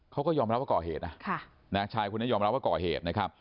เขาก็ยอมรับว่าก่อเหตุน่าค่ะ